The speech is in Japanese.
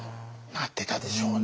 なってたでしょうね。